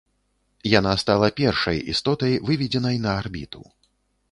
Яна стала першай істотай, выведзенай на арбіту.